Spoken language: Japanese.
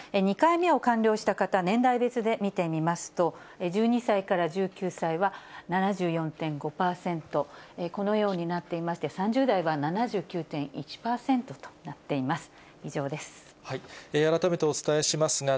２回目を完了した方、年代別で見てみますと、１２歳から１９歳は７４．５％、このようになっていまして、３０代は７９．１％となっています。